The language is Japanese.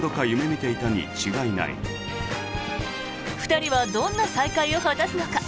２人はどんな再会を果たすのか？